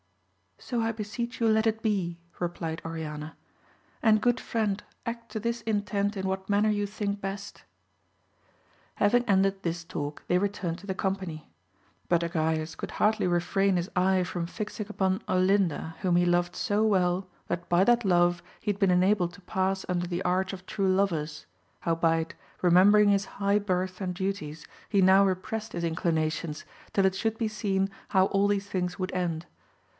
So I beseech you let it be, replied Oriana ; and good friend act to this intent in what manner you think best. Having ended this talk they returned to the company. But Agrayes could hardly refrain his eye from fixing upon Olinda whom he loved so well, that by that love he had been 88 AMADIS OF GAUL. enabled to pass under the Arch of True Lovers, how beit, remembering his high birth and duties, he now represt his inclinations, till it should be seen how all these things would end.